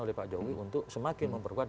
oleh pak jokowi untuk semakin memperkuat